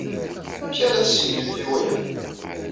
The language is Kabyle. Amek ara as-tsemmimt i waya?